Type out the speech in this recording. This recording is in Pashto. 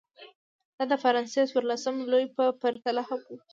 دا د فرانسې څوارلسم لويي په پرتله هم و.